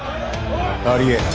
「ありえん！